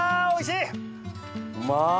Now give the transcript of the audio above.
うまい！